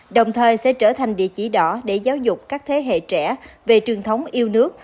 đồng thời sẽ trở thành địa chỉ đỏ để giáo dục các thế hệ trẻ về truyền thống yêu nước